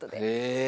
へえ！